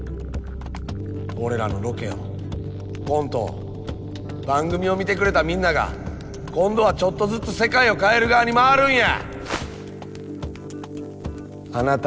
俺らのロケをコントを番組を見てくれたみんなが今度はちょっとずつ世界を変える側に回るんや！